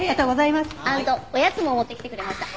アンドおやつも持ってきてくれました。